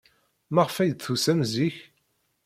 Maɣef ay d-tusam zik?